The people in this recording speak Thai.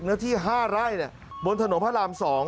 เนื้อที่๕ไร่บนถนนพระราม๒